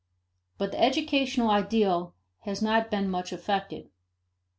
But the educational ideal has not been much affected.